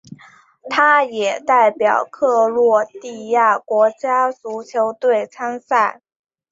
他也代表克罗地亚国家足球队参赛。